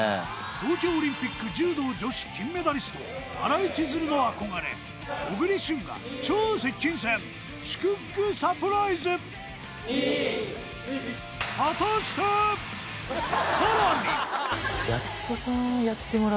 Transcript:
東京オリンピック柔道女子金メダリスト新井千鶴の憧れ小栗旬が超接近戦・２１更に！